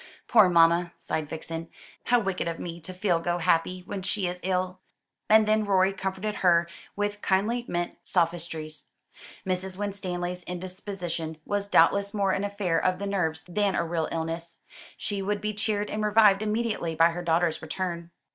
"Poor mamma!" sighed Vixen. "How wicked of me to feel go happy, when she is ill." And then Rorie comforted her with kindly meant sophistries. Mrs. Winstanley's indisposition was doubtless more an affair of the nerves than a real illness. She would be cheered and revived immediately by her daughter's return.